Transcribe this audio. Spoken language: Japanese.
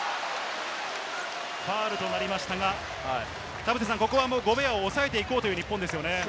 ファウルとなりましたが、田臥さん、ここはゴベアを抑えていこうという日本ですね。